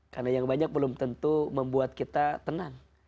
karena yang banyak belum tentu membuat kita tenang